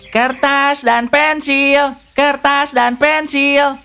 kertas dan pensil kertas dan pensil